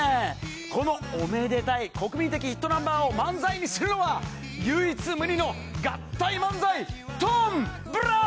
このおめでたい国民的ヒットナンバーを漫才にするのは、唯一無二の合体漫才、トム・ブラウン。